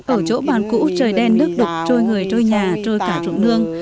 ở chỗ bàn cũ trời đen nước đục trôi người trôi nhà trôi cả trụng nương